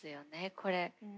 これ。